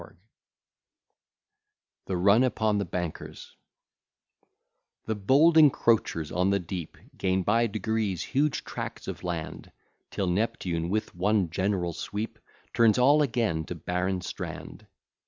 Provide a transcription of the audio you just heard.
B._] THE RUN UPON THE BANKERS The bold encroachers on the deep Gain by degrees huge tracts of land, Till Neptune, with one general sweep, Turns all again to barren strand.